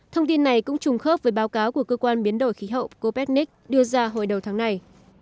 thông tin này cũng trùng khớp với báo cáo của cơ quan biến đổi khí hậu copecnic đưa ra hồi đầu tháng này